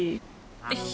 よし。